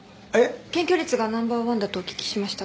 検挙率がナンバーワンだとお聞きしましたが。